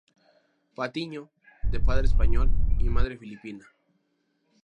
Patiño, de padre español y madre filipina.